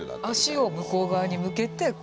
足を向こう側に向けて。